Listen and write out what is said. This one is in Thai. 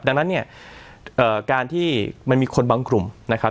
ดังนั้นเนี่ยการที่มันมีคนบางกลุ่มนะครับ